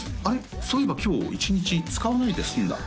そういえば今日一日使わないで済んだ」